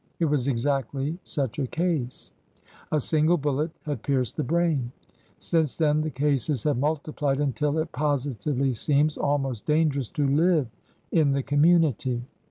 It was exactly such a case. A single bullet had pierced the brain. Since then the cases have multiplied until it positively seems almost dan gerous to live in the community.''